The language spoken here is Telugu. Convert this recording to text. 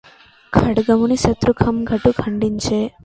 ఖడ్గమూని శతృకంఠాలు ఖండించె